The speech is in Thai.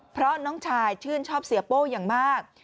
เพราะน้องชายชื่นชอบเสียโป้อย่างมาก